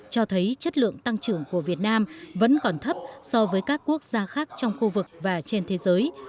cho thấy chất lượng tăng trưởng của việt nam vẫn còn thấp so với các quốc gia khác trong khu vực và trên thế giới